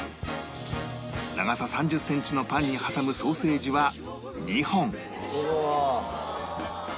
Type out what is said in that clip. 長さ３０センチのパンに挟むソーセージは２本おおー！